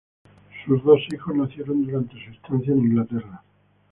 Sus dos hijos nacieron durante su estancia en Inglaterra.